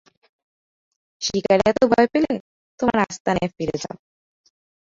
শিকারে এতো ভয় পেলে, তোমার আস্তানায় ফিরে যাও।